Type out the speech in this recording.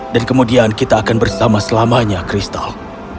dan kemudian kita akan bersama selamanya kristal